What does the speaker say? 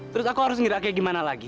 terus aku harus ngera kayak gimana lagi